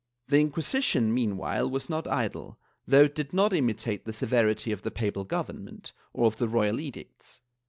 ^ The Inquisition meanwhile was not idle, though it did not imitate the severity of the papal government or of the royal edicts.